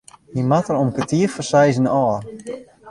Hy moat der om kertier foar seizen ôf.